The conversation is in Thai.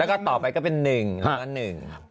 แล้วก็ต่อไปก็เป็นหนึ่งแล้วก็หนึ่ง